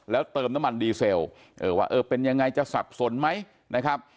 แล้วเติมน้ำมันดีเซลว่าเออเป็นยังไงจะสับสนไหมนะครับ